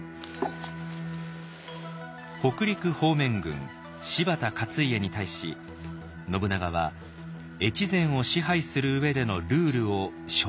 北陸方面軍柴田勝家に対し信長は越前を支配する上でのルールを書状で伝えています。